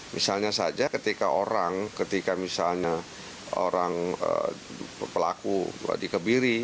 misalnya saja ketika orang ketika misalnya orang pelaku dikebiri